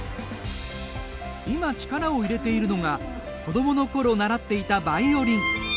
今、力を入れているのが子どものころ習っていたバイオリン。